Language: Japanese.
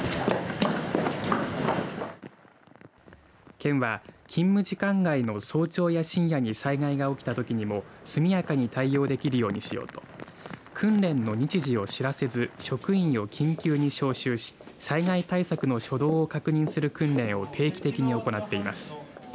県は勤務時間外の早朝や深夜に災害が起きたときにも速やかに対応できるようにしようと訓練の日時を知らせず職員を緊急に招集し災害対策の初動を確認する訓練を定期的に行っています。